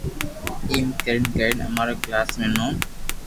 ايم ڪرين ڪرين امارو ڪلاس مي نوم